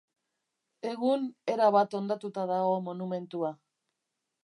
Egun erabat hondatua dago monumentua.